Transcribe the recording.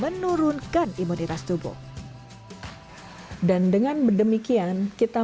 banyak cinta itu berkhasiat mengikteauri seluruh miliar orang dari wilayah besar yang